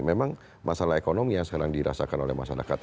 memang masalah ekonomi yang sekarang dirasakan oleh masyarakat